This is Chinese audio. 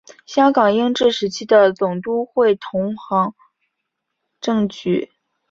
香港英治时期的总督会同行政局。